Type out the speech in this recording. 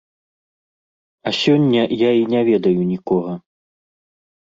А сёння я і не ведаю нікога.